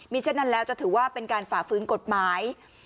มีเช่นนั้นแล้วจะถือว่าเป็นการฝ่าฟื้นกฎหมาย